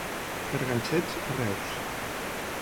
Per ganxets, a Reus.